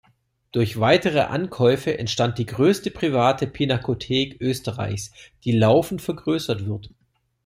Durch weitere Ankäufe entstand die größte private Pinakothek Österreichs, die laufend vergrößert wird.